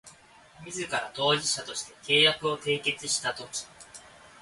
自ら当事者として契約を締結したとき